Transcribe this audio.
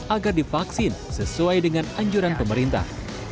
agar divaksin sesuai dengan anjuran pemerintah